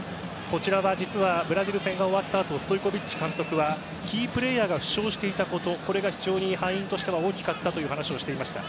こちらは実はブラジル戦が終わったあとストイコヴィッチ監督はキープレーヤーが負傷していたことこれが非常に敗因として大きかったという話をしていました。